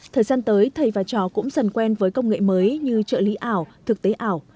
thời gian tới thầy và trò cũng dần quen với công nghệ mới như trợ lý ảo thực tế ảo